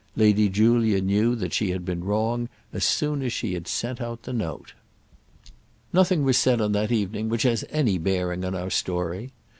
Lady Julia knew that she had been wrong as soon as she had sent out the note. Nothing was said on that evening which has any bearing on our story.